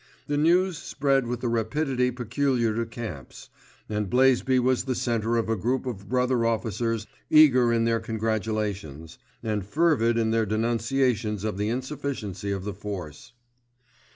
The news spread with the rapidity peculiar to camps, and Blaisby was the centre of a group of brother officers eager in their congratulations, and fervid in their denunciations of the insufficiency of the force.